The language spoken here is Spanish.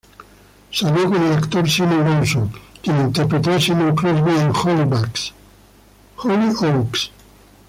Salió con el actor Simon Lawson, quien interpretó a Simon Crosby en "Hollyoaks".